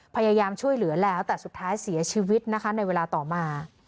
พยายามช่วยเหลือแล้วแต่สุดท้ายเสียชีวิตนะคะในเวลาต่อมา